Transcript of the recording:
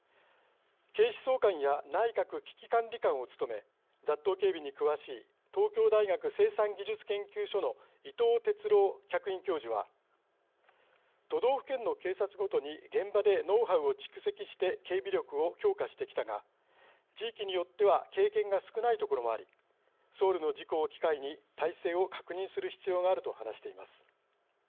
警視総監や内閣危機管理監を務め雑踏警備に詳しい東京大学生産技術研究所の伊藤哲朗客員教授は「都道府県の警察ごとに現場でノウハウを蓄積して警備力を強化してきたが地域によっては経験が少ないところもありソウルの事故を機会に態勢を確認する必要がある」と話しています。